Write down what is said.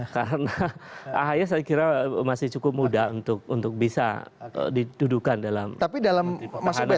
karena ahy saya kira masih cukup mudah untuk bisa didudukan dalam menteri pertahanan ya